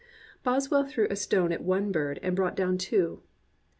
Boswell threw a stone at one bird and brought down two.